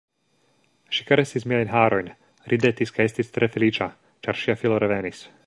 Ŝi karesis miajn harojn, ridetis kaj estis tre feliĉa, ĉar ŝia filo revenis.